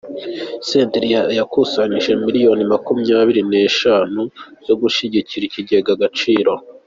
Senderi yakusanyije miliyoni Makumyabiri neshanu zo gushyigikira ikigega Agaciro